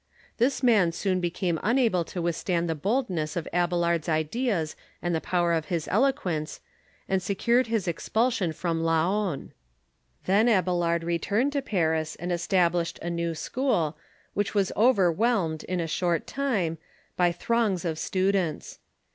This man soon became unable to withstand the boldness of Abelard's ideas and the power of his eloquence, and secured his expulsion from Laon. Then Abelard returned to Paris and established a new school, which was overwhelmed, in a short time, by throngs of stu dents.